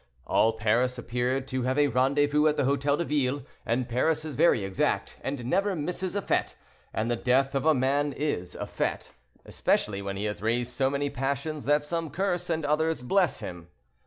All Paris appeared to have a rendezvous at the Hotel de Ville; and Paris is very exact, and never misses a fete; and the death of a man is a fete, especially when he has raised so many passions that some curse and others bless him.